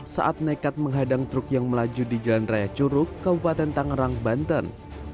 saat nekat menghadang truk yang melaju di jalan raya curug kabupaten tangerang banten